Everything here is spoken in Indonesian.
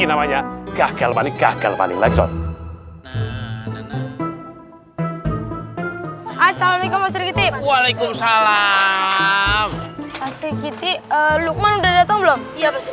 assalamualaikum warahmatullah waalaikumsalam pasti gitu lukman udah datang belum ya pasti